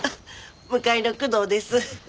向かいの工藤です。